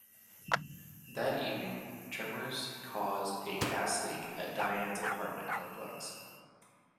That evening, tremors cause a gas leak at Diane's apartment complex.